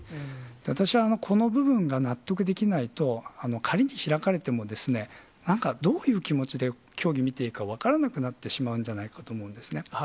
私はこの部分が納得できないと、仮に開かれても、なんか、どういう気持ちで競技見ていいか、分からなくなってしまうんじゃないかと思うんですね。